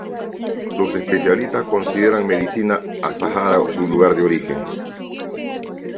Los especialistas consideran Medina Azahara su lugar de origen.